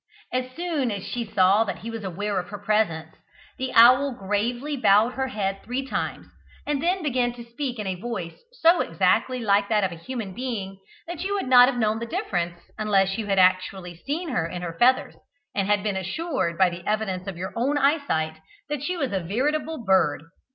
As soon as she saw that he was aware of her presence, the owl gravely bowed her head three times, and then began to speak in a voice so exactly like that of a human being, that you would not have known the difference, unless you had actually seen her in her feathers, and been assured by the evidence of your own eyesight that she was a veritable bird.